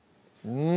うん！